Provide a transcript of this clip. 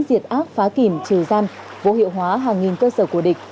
diệt ác phá kìm trừ giam vô hiệu hóa hàng nghìn cơ sở của địch